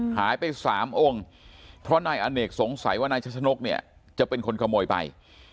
หายไป๓องค์เพราะนายอเนกสงสัยว่านายชัชนกเนี่ยจะเป็นคนขโมยไป